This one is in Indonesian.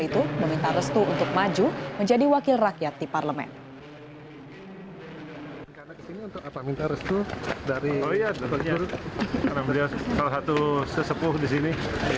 itu meminta restu untuk maju menjadi wakil rakyat di parlemen dari oh ya kalau satu sesepuh disini